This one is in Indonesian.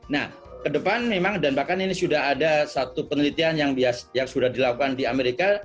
nah ke depan memang dan bahkan ini sudah ada satu penelitian yang sudah dilakukan di amerika